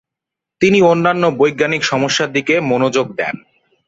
তিনি অন্যান্য বৈজ্ঞানিক সমস্যার দিকে মনোযোগ দেন।